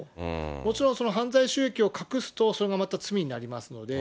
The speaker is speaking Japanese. もちろん、その犯罪収益を隠すと、それがまた罪になりますので、